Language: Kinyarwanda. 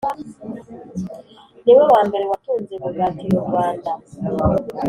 niwe wambere watunze bugatti mu Rwanda